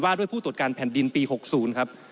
ด้วยผู้ตรวจการแผ่นดินปี๖๐ครับ